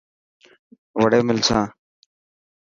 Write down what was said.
وڙي ملسان.